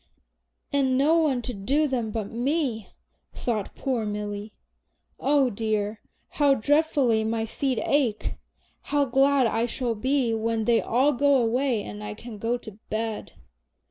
"And no one to do them but me," thought poor Milly. "Oh dear, how dreadfully my feet ache! How glad I shall be when they all go away and I can go to bed!"